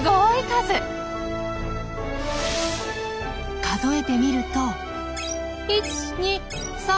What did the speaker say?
数えてみると。